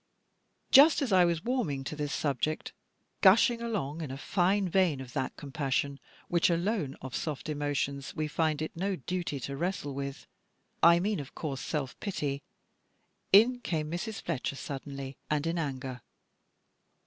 Just as I was warming to this subject, gushing along in a fine vein of that compassion which alone of soft emotions we find it no duty to wrestle with, I mean of course self pity in came Mrs. Fletcher, suddenly, and in anger.